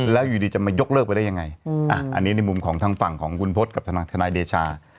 แล้วอยู่ดีจะมายกเลิกไปได้ยังไงอันนี้ในมุมของทางฝั่งของคุณพศกับทางทนายเดชา